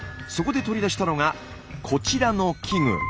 そこで取り出したのがこちらの器具。